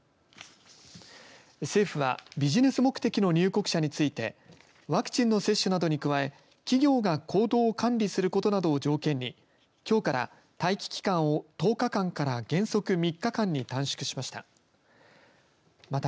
政府はビジネス目的の入国者についてワクチンの接種などに加え企業が行動を管理することなどを条件にきょうから待機期間を１０日間から原則３日間に短縮しました。